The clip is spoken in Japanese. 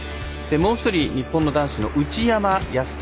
もう１人、日本の男子の内山靖崇。